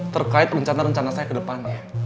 terkait rencana rencana saya ke depannya